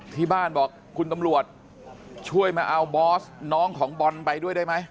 ที่บ้านบอกคุณตำรวจช่วยมาเอาบอสน้องของบอลไปด้วยได้ไหม